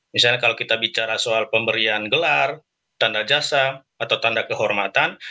misalnya kalau kita bicara soal pemberian gelar tanda jasa atau tanda kehormatan